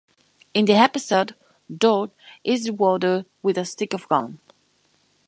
In the episode, Doug is rewarded with a stick of gum.